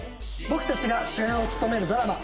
僕たちが主演を務めるドラマ